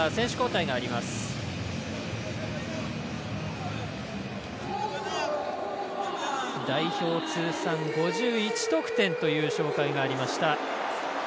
代表通算５１得点という紹介がありました。